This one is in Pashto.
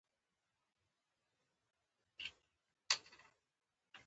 هر چا ځوالې پخولې.